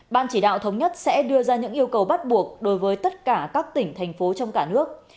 ban chỉ đạo thống nhất sẽ đưa ra những yêu cầu bắt buộc đối với tất cả các tỉnh thành phố trong cả nước